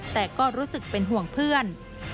แต่ก็รู้สึกเป็นห่วงเพื่อน